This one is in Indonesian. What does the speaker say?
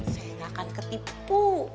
saya nggak akan ketipu